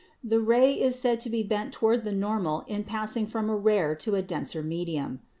The ray is said to be bent toward the normal in passing from a rare to a denser medium.